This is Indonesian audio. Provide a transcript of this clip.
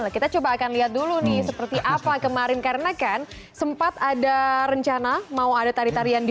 kita coba akan lihat dulu nih seperti apa kemarin karena kan sempat ada rencana mau ada tarian tarian di